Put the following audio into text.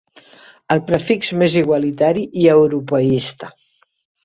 El prefix més igualitari i europeista.